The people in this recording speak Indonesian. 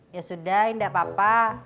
ya sudah indah papa